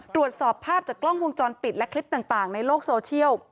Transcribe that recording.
ตรวจสอบภาพจากกล้องวงจรปิดและคลิปต่างในโลกโซเชียล